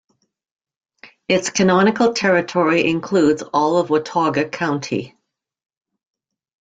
Its canonical territory includes all of Watauga County.